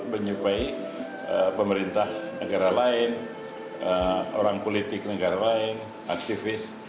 menyupai pemerintah negara lain orang politik negara lain aktivis